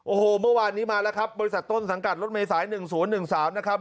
โอ้โหเมื่อวานนี้มาแล้วครับบริษัทต้นสังกัดรถเมษาย๑๐๑๓นะครับ